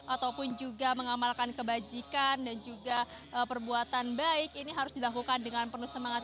ataupun juga mengamalkan kebajikan dan juga perbuatan baik ini harus dilakukan dengan penuh semangat